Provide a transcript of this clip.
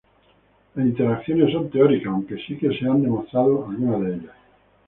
Las interacciones son teóricas, aunque sí que se han demostrado algunas de ellas.